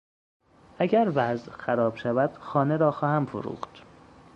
اگر وضع خراب شود، خانه را خواهم فروخت.